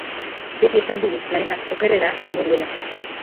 Beti esan dugu planetak okerrera egingo duela.